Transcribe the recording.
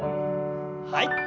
はい。